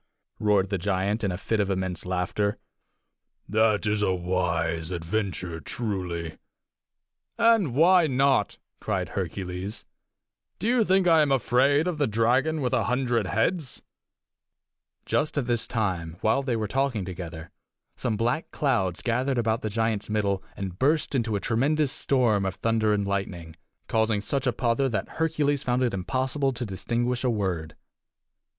roared the giant, in a fit of immense laughter. "That is a wise adventure, truly!" "And why not?" cried Hercules. "Do you think I am afraid of the dragon with a hundred heads?" Just at this time, while they were talking together, some black clouds gathered about the giant's middle and burst into a tremendous storm of thunder and lightning, causing such a pother that Hercules found it impossible to distinguish a word.